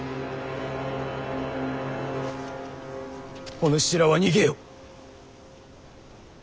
お主らは逃げよ。